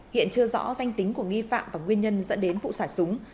hiện chưa rõ danh tính của nghi phạm và nguyên nhân dẫn đến vụ xả súng